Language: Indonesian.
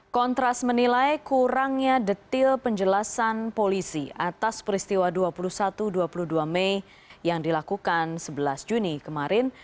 kontras menilai kurangnya detil penjelasan polisi atas peristiwa dua puluh satu dua puluh dua mei yang dilakukan sebelas juni kemarin